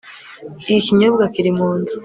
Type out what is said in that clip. Iki kinyobwa kiri munzu